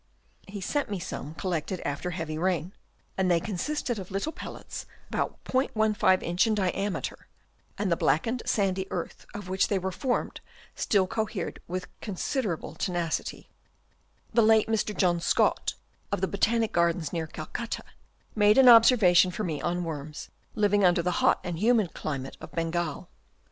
He sent me some collected after heavy rain, and they consisted of little pellets, about *15 inch in diameter ; and the blackened Chap. II. THEIR WIDE DISTRIBUTION. 125 sandy earth of which they were formed still cohered with considerable tenacity. The late Mr. John Scott of the Botanic Gardens near Calcutta made many observa tions for me on worms living under the hot and humid climate of Bengal.